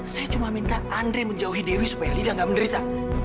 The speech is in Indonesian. saya cuma minta andre menjauhi dewi supaya lida gak menderita